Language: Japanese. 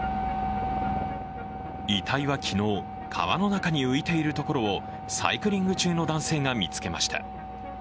遺体は昨日、川の中に浮いているところをサイクリング中の男性が見つけました。